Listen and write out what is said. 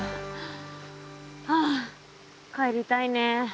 ああ帰りたいね。